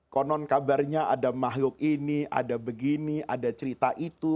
konon kabarnya ada makhluk ini ada begini ada cerita itu